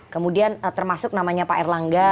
kemudian termasuk namanya pak erlangga